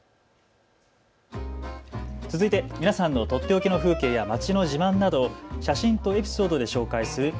続いて皆さんの取って置きの風景や街の自慢などを写真とエピソードで紹介する＃